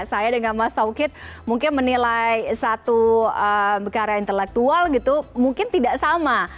saya dengan mas taukit mungkin menilai satu karya intelektual gitu mungkin tidak sama